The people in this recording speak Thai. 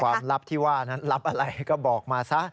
ลับที่ว่านั้นลับอะไรก็บอกมาซะ